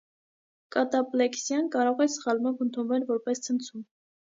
Կատապլեքսիան կարող է սխալմամբ ընդունվել, որպես ցնցում։